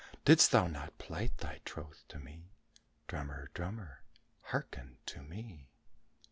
Didst thou not plight thy troth to me? Drummer, drummer, hearken to me!"